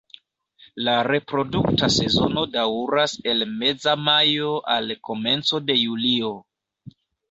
La reprodukta sezono daŭras el meza majo al komenco de julio.